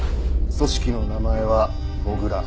組織の名前は「土竜」。